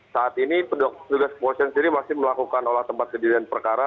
saat ini petugas kepolisian sendiri masih melakukan olah tempat kejadian perkara